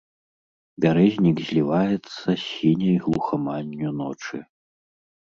Бярэзнік зліваецца з сіняй глухаманню ночы.